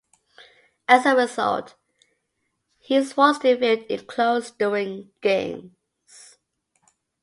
As a result, he is forced to field in close during games.